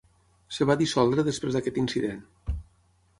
Es va dissoldre després d'aquest incident.